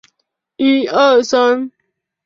首府为伊苏兰。